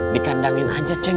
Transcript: dikandangin aja ceng